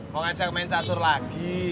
mau ngajak main catur lagi